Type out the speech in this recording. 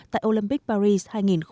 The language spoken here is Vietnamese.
tại olympic paris hai nghìn hai mươi bốn